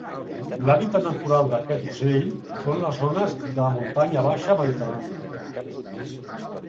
L'hàbitat natural d'aquest ocell són les zones de muntanya baixa mediterrània.